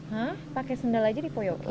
hah pakai sendal aja dipoyokin